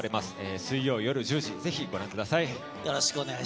水曜夜１０時、ぜひご覧ください。